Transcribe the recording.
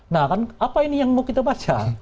nah kan apa ini yang mau kita baca